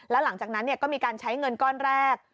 แล้วหลังจากนั้นก็มีการใช้เงินก้อนแรก